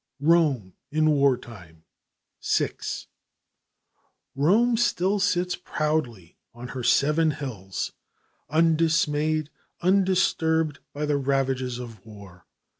NEWMAN] Rome in War Time SIX Rome still sits proudly on her seven hills, undismayed, undisturbed by the ravages of war.